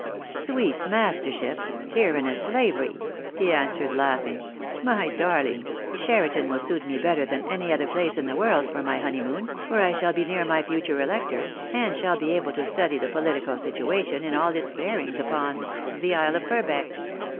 " Sweet mastership, tyrannous slavery," he answered, laughing. "My darling, Cheriton will suit me better than any other place in the world for my honeymoon, for I shall be near my future electors, and shall be able to study the political situation in all its bearings upon — the Isle of Purbeck."